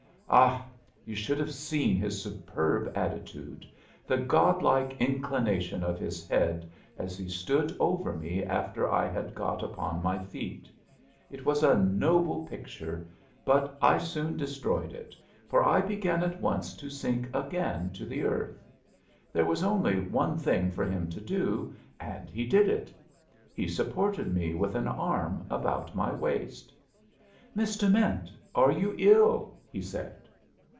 Ah, you should have seen his superb attitude, the god like inclination of his head as he stood over me after I had got upon my feet! It was a noble picture, but I soon destroyed it, for I began at once to sink again to the earth. There was only one thing for him to do, and he did it; he supported me with an arm about my waist. "Miss Dement, are you ill?" he said.